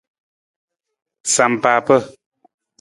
Sampaapa.